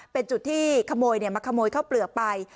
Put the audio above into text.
เป็นจุดที่ขโมยมาขโมยข้าวเปลือกไป